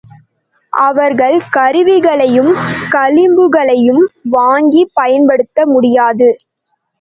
அவர்கள் கருவிகளையும் களிம்புகளையும் வாங்கிப் பயன்படுத்த முடியாது.